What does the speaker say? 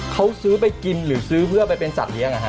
เขาซื้อไปกินหรือซื้อเพื่อไปเป็นสัตว์เลี้ยง